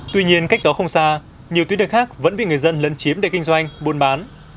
tuy nhiên cách đó không xa nhiều tuyến đường khác vẫn bị người dân lấn chiếm để kinh doanh buôn bán